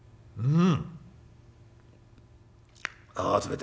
「うん」。